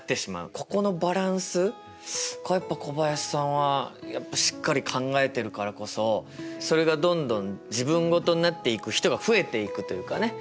ここのバランスがやっぱ小林さんはしっかり考えてるからこそそれがどんどん自分事になっていく人が増えていくというかね。